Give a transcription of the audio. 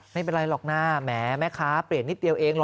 ไม่เป็นไรหรอกนะแหมแม่ค้าเปลี่ยนนิดเดียวเองเหรอ